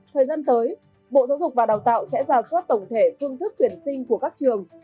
thời gian tới bộ giáo dục và đào tạo sẽ ra soát tổng thể phương thức tuyển sinh của các trường